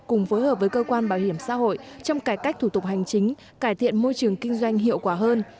cùng phối hợp với cơ quan bảo hiểm xã hội trong cải cách thủ tục hành chính cải thiện môi trường kinh doanh hiệu quả hơn